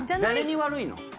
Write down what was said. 誰に悪いの？